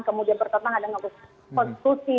kemudian bertentangan dengan konstitusi